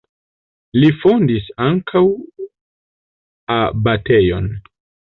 Li fondis ankaŭ abatejon.